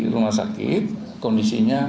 rumah sakit kondisinya